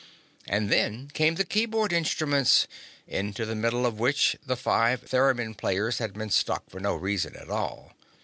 And then came the keyboard instruments, into the middle of which the five theremin players had been stuck for no reason at all.